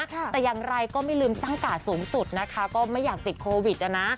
แต่อย่างไรก็ไม่ลืมตั้งกาดสูงสุดนะคะก็ไม่อยากติดโควิดอ่ะนะ